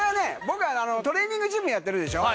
僕がトレーニングジムやってるでしょ？